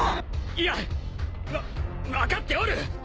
いやわ分かっておる！